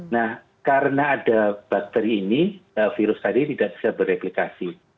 nah karena ada bakteri ini virus tadi tidak bisa bereplikasi